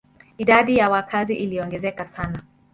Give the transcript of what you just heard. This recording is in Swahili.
Idadi ya wakazi iliongezeka sana.